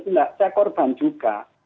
tidak saya korban juga